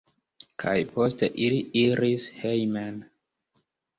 Kaj poste ili iris hejmen.